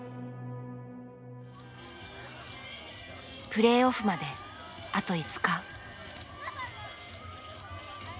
プレーオフまであと５日。